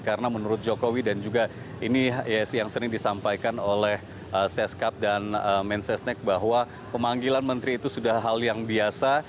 karena menurut jokowi dan juga ini yang sering disampaikan oleh sescap dan mensesnek bahwa pemanggilan menteri itu sudah hal yang biasa